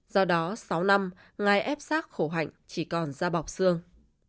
do đó sáu năm ngài ép sát khổ hạnh chỉ còn ra bọc xương